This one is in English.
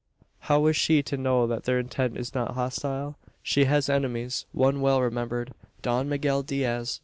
How is she to know that their intent is not hostile? She has enemies one well remembered Don Miguel Diaz.